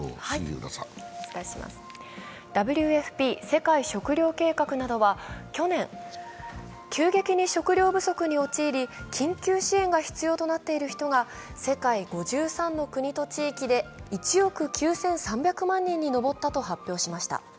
ＷＦＰ＝世界食糧計画などは去年、急激に食糧不足に陥り緊急支援が必要となっている人が世界５３の国と地域で１億９３００万人に上ったと発表しました。